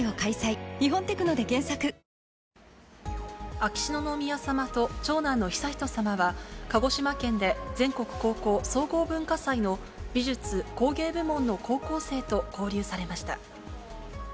秋篠宮さまと長男の悠仁さまは、鹿児島県で全国高校総合文化祭の美術・工芸部門の高校生と交流されました。